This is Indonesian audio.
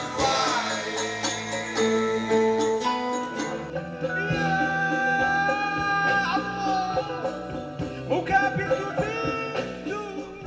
orkes puisi sampak gusuran